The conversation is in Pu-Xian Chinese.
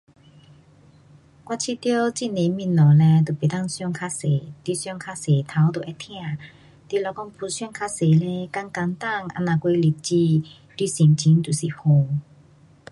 我觉得很多东西嘞都不能想太多。你想太多头就会痛。你如果不想太多嘞，简简单这样过日子，你心情就是好。